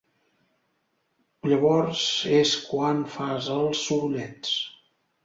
Llavors és quan fas els sorollets.